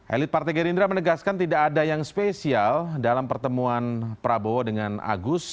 elit partai gerindra menegaskan tidak ada yang spesial dalam pertemuan prabowo dengan agus